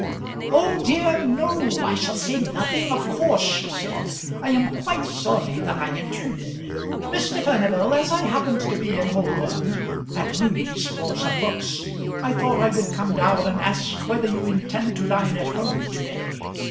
"Oh dear, no; I shall say nothing of course," she said. "I am quite sorry that I intruded. Mr. Furnival, as I happened to be in Holborn at Mudie's for some books I thought I would come down and ask whether you intend to dine at home to day.